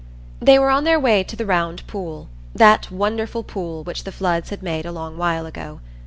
They were on their way to the Round Pool,—that wonderful pool, which the floods had made a long while ago.